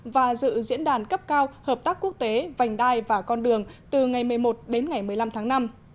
và dự diễn đàn cấp cao hợp tác quốc tế vành đai và con đường từ ngày một mươi một đến ngày một mươi năm tháng năm